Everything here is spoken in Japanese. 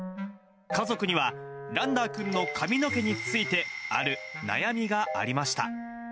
家族には、ランダーくんの髪の毛について、ある悩みがありました。